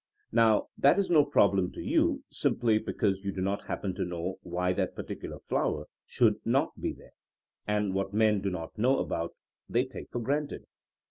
'* Now that is no problem to you, simply because you do not hap pen to know why that particular flower should not be there — and what men do not know about they take for granted.